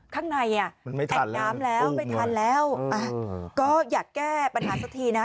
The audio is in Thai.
ข้างในไม่ทันแล้วก็อยากแก้ปัญหาสักทีนะ